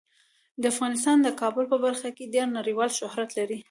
افغانستان د کابل په برخه کې ډیر نړیوال شهرت لري.